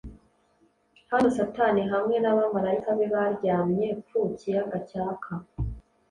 Hano Satani hamwe nabamarayika be baryamye ku kiyaga cyaka,